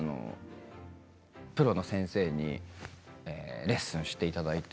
プロの先生にレッスンしていただいて。